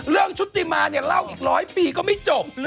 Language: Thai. ชุติมาเนี่ยเล่าอีกร้อยปีก็ไม่จบ